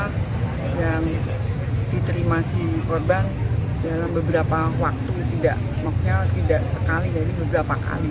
kepala yang diterima si korban dalam beberapa waktu tidak maksudnya tidak sekali jadi beberapa kali